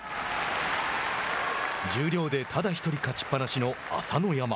十両で、ただ１人勝ちっぱなしの朝乃山。